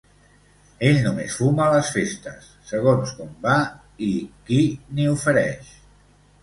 Ell només fuma a les festes, segons com va i qui n'hi ofereix.